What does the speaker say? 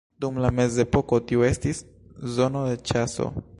Dum la Mezepoko tiu estis zono de ĉaso.